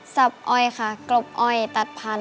อ้อยค่ะกรบอ้อยตัดพันธ